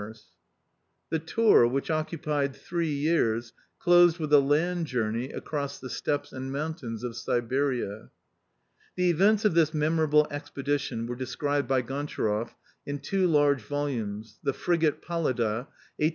viii PREFACE The tour, which occupied three years, closed with a land journey across the steppes and mountains of Siberia. The events of this memorable expedition were described by Gontcharoff in two large volumes, The Frigate " Pallada? 1856 57.